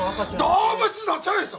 動物のチョイス！